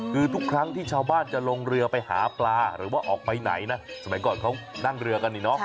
คือทุกครั้งที่ชาวบ้านจะลงเรือไปหาปลาหรือว่าออกไปไหนนะสมัยก่อนเขานั่งเรือกันนี่เนาะ